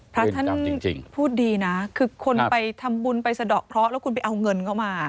พระท่านพูดดีนะคือคนไปทำบุญไปสะดอกเคราะห์แล้วคุณไปเอาเงินเข้ามา